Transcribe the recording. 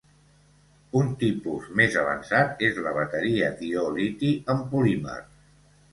Un tipus més avançat és la bateria d'ió liti en polímer.